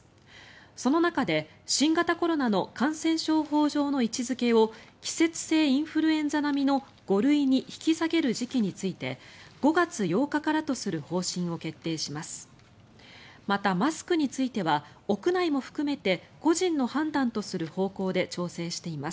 その中で、新型コロナの感染症法上の位置付けを季節性インフルエンザ並みの５類に引き下げる時期について５月８日からとする方針を決定します。